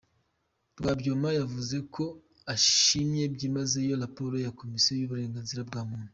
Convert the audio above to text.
Rwabyoma yavuze ko ashimye byimazeyo raporo ya Komisiyo y’ uburenganzira bwa muntu.